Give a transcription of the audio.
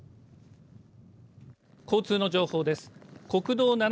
交通の情報です。